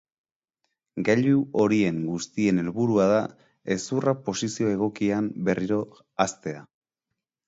Gailu horien guztien helburua da hezurra posizio egokian berriro haztea.